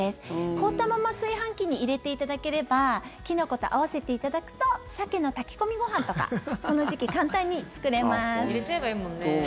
凍ったまま炊飯器入れていただければキノコと合わせていただくとサケの炊き込みご飯とか入れちゃえばいいもんね。